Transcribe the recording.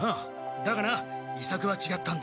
だがな伊作はちがったんだ。